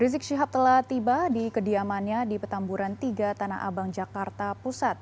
rizik syihab telah tiba di kediamannya di petamburan tiga tanah abang jakarta pusat